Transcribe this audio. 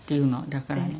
だからね